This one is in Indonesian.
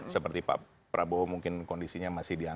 seperti pak prabowo mungkin kondisinya masih di dalam